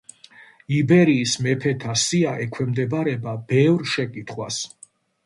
იბერიის მეფეთა სია ექვემდებარება ბევრ შეკითხვას.